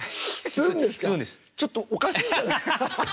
ちょっとおかしいんじゃない？